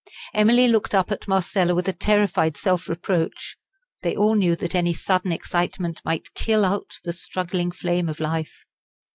Emily looked up at Marcella with a terrified self reproach. They all knew that any sudden excitement might kill out the struggling flame of life.